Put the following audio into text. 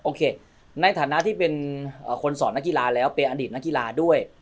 ในฐานะที่เป็นคนสอนนักกีฬาแล้วเป็นอดีตนักกีฬาด้วย